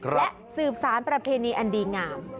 และสืบสารประเพณีอันดีงาม